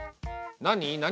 何？